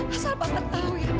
asal papa tahu ya